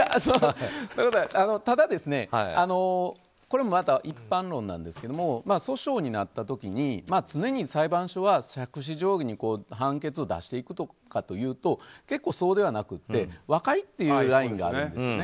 ただ、これもまた一般論なんですが訴訟になった時に常に裁判所は杓子定規に判決を出していくかというと結構そうではなくて和解というラインがあるんですね。